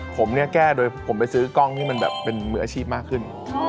ผมเนี่ยแก้โดยผมไปซื้อกล้องที่มันแบบเป็นมืออาชีพมากขึ้น